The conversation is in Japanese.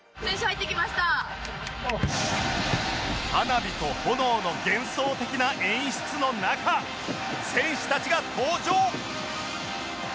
花火と炎の幻想的な演出の中選手たちが登場！